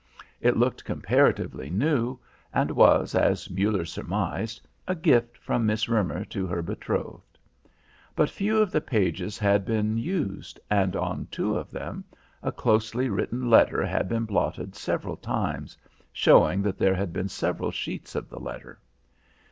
It looked comparatively new and was, as Muller surmised, a gift from Miss Roemer to her betrothed. But few of the pages had been used, and on two of them a closely written letter had been blotted several times, showing that there had been several sheets of the letter.